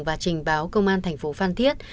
và trình báo công an tp phan thiết